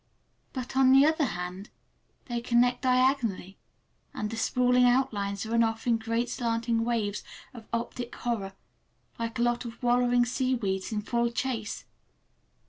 But, on the other hand, they connect diagonally, and the sprawling outlines run off in great slanting waves of optic horror, like a lot of wallowing seaweeds in full chase.